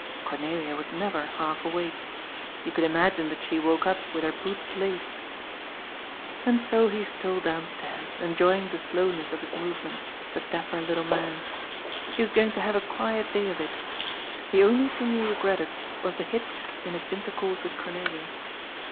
Cornelia was neyer half awake. You could imagine that she woke up with her boots laced. And so he stole downstairs, enjoying the slowness of his moyements, the dapper little man. He was going to have a quiet day of it. The only thing he regretted was the hitch in his intercourse with Cornelia.